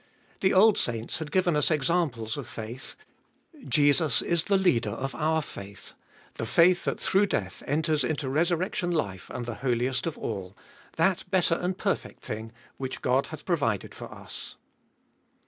The old saints had given 1 Leader. 31 482 Gbe Doliest of ail us examples of faith ; Jesus is the Leader of our faith, the faith that through death enters into resurrection life and the Holiest of All, that better and perfect thing which God hath provided for us.